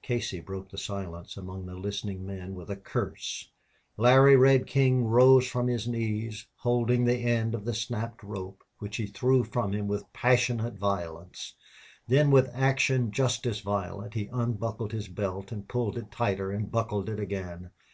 Casey broke the silence among the listening men with a curse. Larry Red King rose from his knees, holding the end of the snapped rope, which he threw from him with passionate violence. Then with action just as violent he unbuckled his belt and pulled it tighter and buckled it again.